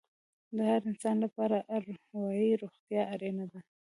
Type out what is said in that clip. د هر انسان لپاره اروايي روغتیا اړینه ده.